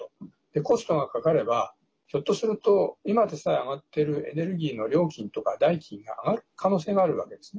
コストがかかればひょっとすると今でさえ上がってるエネルギーの料金とか代金が上がる可能性があるわけですね。